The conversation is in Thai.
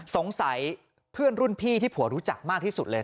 เพื่อนรุ่นพี่ที่ผัวรู้จักมากที่สุดเลย